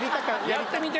やってみて！